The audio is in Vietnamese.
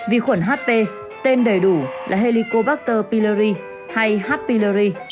vi khuẩn hp tên đầy đủ là helicobacter pylori hay h pylori